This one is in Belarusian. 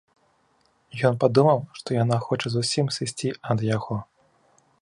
Ён падумаў, што яна хоча зусім сысці ад яго.